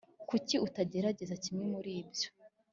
kuki utagerageza kimwe muri ibyo?